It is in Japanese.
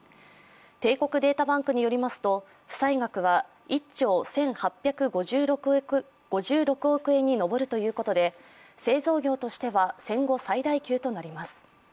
帝国データバンクによりますと負債額は１兆１８５６億円に上るということで製造業としては戦後最大級となります。